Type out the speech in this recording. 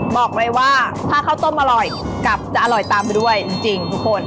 บอกเลยว่าถ้าข้าวต้มอร่อยกลับจะอร่อยตามไปด้วยจริงทุกคน